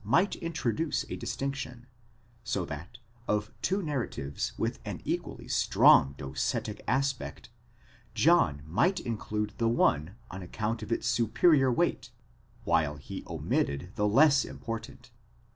might introduce a distinction; so that of two narratives with an equally strong docetic aspect, John might include the one on account of its superior weight, while he omitted the less important.